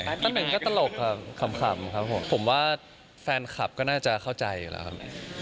ตำแหน่งก็ตลกครับขำครับผมผมว่าแฟนคลับก็น่าจะเข้าใจอยู่แล้วครับ